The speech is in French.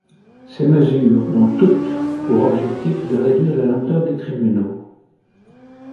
Ces mesures ont toutes pour objectif de réduire la lenteur des tribunaux.